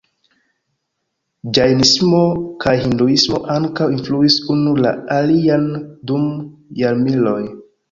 Ĝajnismo kaj Hinduismo ankaŭ influis unu la alian dum jarmiloj.